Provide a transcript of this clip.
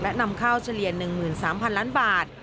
และนำข้าวเฉลี่ย๑๓๐๐๐ล้านบาท